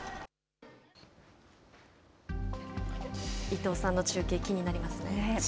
伊藤さんの中継、気になりますね。